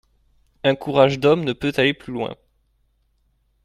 Un courage d'homme ne peut aller plus loin.